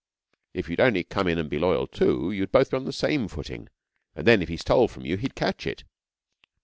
If you'd only come in and be loyal too, you'd both be on the same footing, and then if he stole from you, he'd catch it!'